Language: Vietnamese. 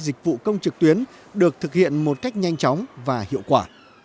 dịch vụ công trực tuyến được thực hiện một cách nhanh chóng và hiệu quả